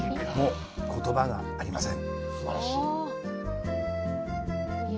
もう、言葉がありません。